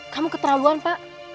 kamu keterlaluan pak